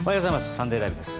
「サンデーＬＩＶＥ！！」です。